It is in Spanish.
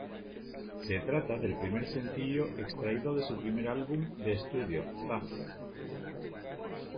Se trata del primer sencillo extraído de su primer álbum de estudio, "Zaz".